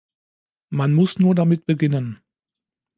Man muss nur damit beginnen.